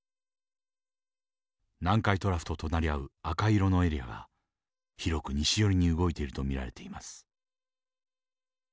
南海トラフと隣り合う赤色のエリアが広く西寄りに動いていると見られています。